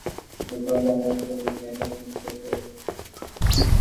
ন্যূনতম মজুরি বৃদ্ধির পক্ষে প্রবল জনমত থাকলেও রিপাবলিকানরা তাদের নেতিবাচক অবস্থানে অনড়।